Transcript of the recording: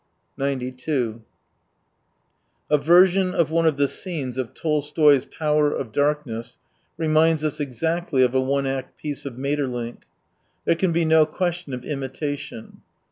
92 A version of one of the scenes of Tolstoy's Power of Darkness reminds us exactly of a one act piece of Maeterlinck. There can be no question of imitation.